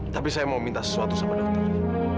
tapi saya mau minta sesuatu sama dokternya